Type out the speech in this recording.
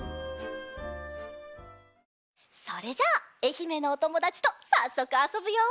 それじゃあえひめのおともだちとさっそくあそぶよ。